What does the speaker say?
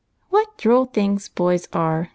What droll things boys are !